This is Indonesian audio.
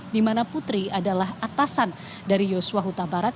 dimana putri adalah atasan dari yusuf huta barat